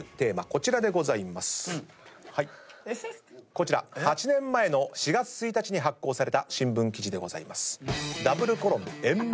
こちら８年前の４月１日に発行された新聞記事です。